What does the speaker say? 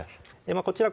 こちら